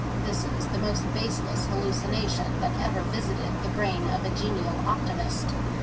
This is the most baseless hallucination that ever visited the brain of a genial optimist.